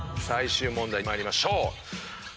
最終問題に参りましょう。